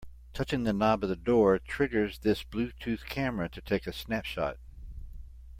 Touching the knob of the door triggers this Bluetooth camera to take a snapshot.